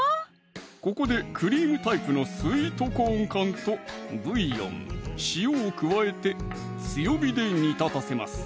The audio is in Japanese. ここでクリームタイプのスイートコーン缶とブイヨン・塩を加えて強火で煮立たせます